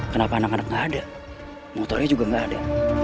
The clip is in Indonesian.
kenapa anak anak gak ada motornya juga gak ada